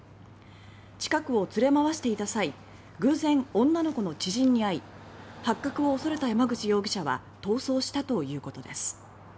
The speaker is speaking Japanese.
近くを連れ回していた際偶然女の子の知人に会い発覚を恐れた山口容疑者は逃走したということです。